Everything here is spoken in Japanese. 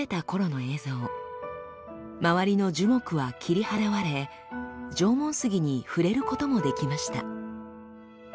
周りの樹木は切り払われ縄文杉に触れることもできました。